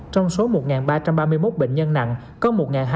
trong số một ba trăm ba mươi một bệnh nhân nặng có một hai trăm bảy mươi bốn ca nặng